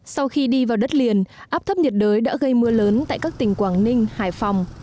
sau khi đi vào đất liền áp thấp nhiệt đới đã gây mưa lớn tại các tỉnh quảng ninh hải phòng